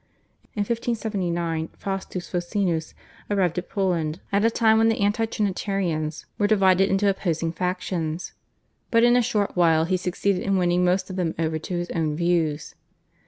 In 1579 Faustus Socinus arrived in Poland, at a time when the anti Trinitarians were divided into opposing factions, but in a short while he succeeded in winning most of them over to his own views.